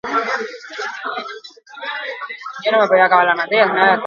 Proiektu honen zimenduak ondo errotuta zeuden.